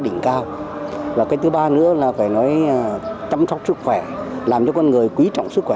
đỉnh cao và cái thứ ba nữa là phải nói chăm sóc sức khỏe làm cho con người quý trọng sức khỏe